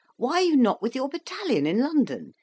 Why are you not with your battalion in London?